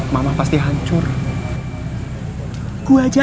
papa mama gak boleh tau